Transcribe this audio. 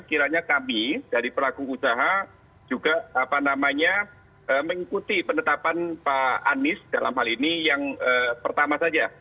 kiranya kami dari pelaku usaha juga mengikuti penetapan pak anies dalam hal ini yang pertama saja